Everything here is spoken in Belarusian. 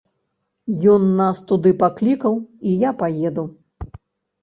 Ён нас туды паклікаў, і я паеду.